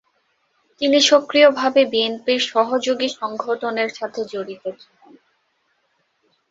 তিনি সক্রিয়ভাবে বিএনপির সহযোগী সংগঠনের সাথে জড়িত ছিলেন।